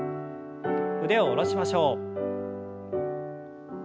腕を下ろしましょう。